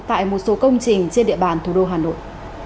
tại một số công trình trên địa bàn thủ đô hà nội